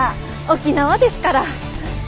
沖縄ですから。